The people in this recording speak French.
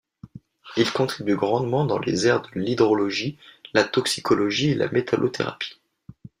Il contribue grandement dans les aires de l'hydrologie, la toxicologie et la métallothérapie.